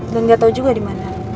dan gak tau juga dimana